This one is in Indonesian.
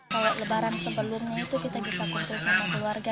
kalau lebaran sebelumnya itu kita bisa kumpul sama keluarga